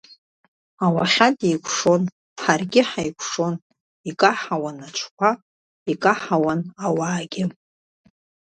Ауахьад еикушон, ҳаргьы ҳаикушон, икаҳауан аҽқуа, икаҳауан ауаагьы…